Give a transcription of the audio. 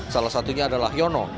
salah satunya adalah yono